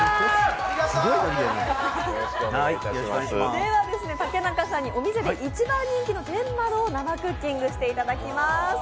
では、竹中さんに一番人気の天窓を生クッキングしていただきます。